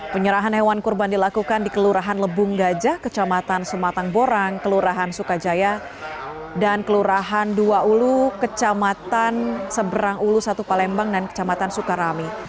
penyerahan hewan kurban dilakukan di kelurahan lebung gajah kecamatan sematang borang kelurahan sukajaya dan kelurahan dua ulu kecamatan seberang ulu satu palembang dan kecamatan sukarami